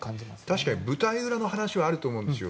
確かに舞台裏の話はあると思うんですよ。